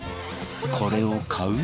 これを買う？